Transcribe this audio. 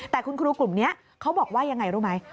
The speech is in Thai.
แต่คุณครูกลุ่มนี้เขาบอกว่ายังไงรู้ไหม